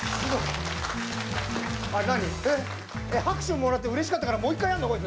拍手をもらってうれしかったからもう一回やるの？